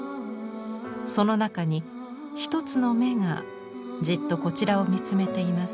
その中に一つの眼がじっとこちらを見つめています。